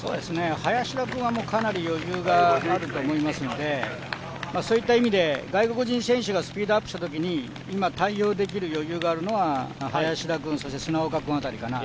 林田君はかなり余裕があると思いますのでそういった意味で外国人選手がスピードアップしたときに今対応できる余裕があるのは林田君、そして砂岡君辺りかな。